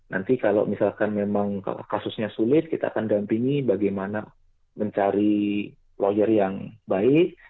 nanti kalau misalkan memang kasusnya sulit kita akan dampingi bagaimana mencari lawyer yang baik